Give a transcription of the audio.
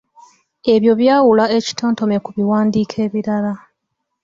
Ebyo byawula ekitontome ku biwandiiko ebirala.